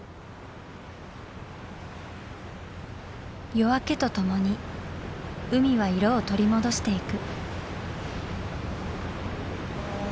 夜明けとともに海は色を取り戻していく。